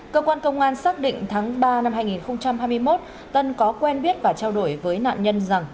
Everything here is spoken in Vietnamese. cơ quan công an xác định tháng ba năm hai nghìn hai mươi một tân có quen biết và trao đổi với nạn nhân rằng